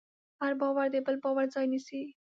هر باور د بل باور ځای نيسي.